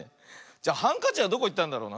じゃハンカチはどこいったんだろうな。